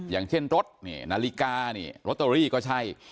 อย่างเช่นรถนาฬิกาโรตเตอรี่ก็ใช่